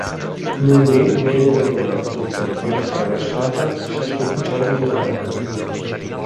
Moody venne nominato, per quella traversata, sesto ufficiale di coperta.